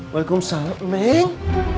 walaikum salam neng